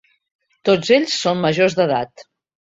Tots ells són majors d’edat.